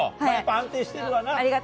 安定してるわな。